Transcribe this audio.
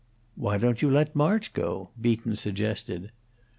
"Why don't you let March go?" Beaton suggested.